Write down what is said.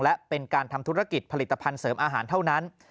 และเป็นการทำธุรกิจผลิตภัณฑ์เสริมอาหารเท่านั้น